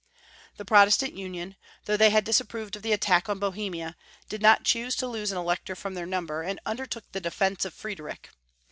The Protestant Union, though they had disapproved of the attack on Bo hemia, did not choose to lose an Elector from their number, and undertook the defence of Friedrich.